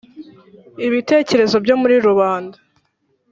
Ibitekerezo byo muri rubanda